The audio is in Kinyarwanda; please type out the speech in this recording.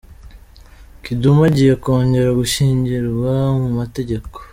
Kidum agiye kongera gushyingirwa mu mategeko